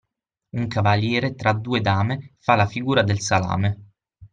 Un cavaliere tra due dame fa la figura del salame.